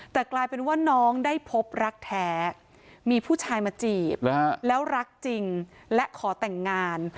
แต่กลายเป็นว่าน้องได้พบรักแท้มีผู้ชายมาจีบแล้วรักจริงและขอแต่งงาน